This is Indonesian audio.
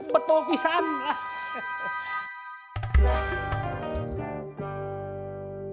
betul pisahin lah